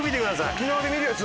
沖縄で見るやつ。